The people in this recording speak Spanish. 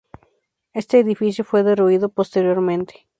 Este edificio fue derruido posteriormente.